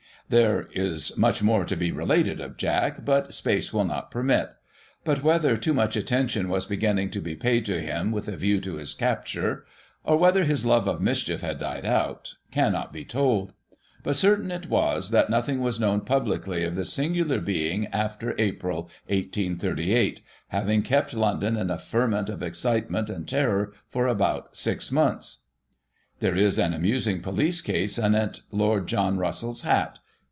There is much more to be related of Jack, but space will not permit ; but, whether too much attention was beginning to be paid to him with a view to his capture, or whether his love of mischief had died out, cannot be told ; but certain it was that nothing was known publicly of this singular being after April, 1838, having kept London in a ferment of excitement and terror for about six months. There is an amusing police case anent Lord John Russell's hat.